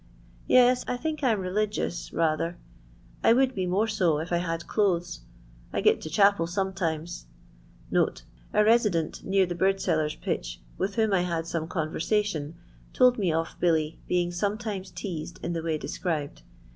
Tes, I think I 'm religious, rather. I would be more so, if I had clothes. I get to chapel sometimes." [A resident near the bird seller's pitch, with whom I had some conver sation, told me of Billy " being sometimes teased in the way described.